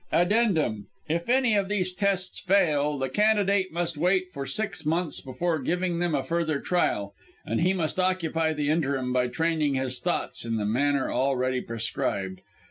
"(Addendum) If any of these tests fail the candidate must wait for six months before giving them a further trial, and he must occupy the interim by training his thoughts in the manner already prescribed.